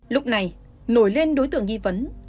lúc này nổi lên đối tượng nghi vấn